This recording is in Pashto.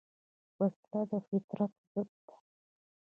وسله د فطرت ضد ده